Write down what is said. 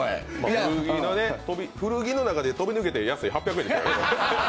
古着の中では飛び抜けて安い８００円。